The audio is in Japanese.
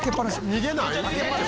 逃げない？